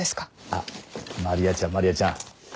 あっまりあちゃんまりあちゃん